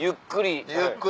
ゆっくり。